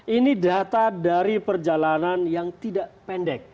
ini data dari perjalanan yang tidak pendek